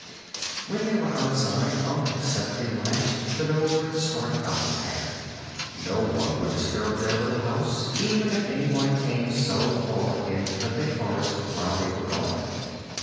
When they were outside, Unc simply latched the door and started up the path. No one would disturb their little house, even if anyone came so far into the thick forest while they were gone.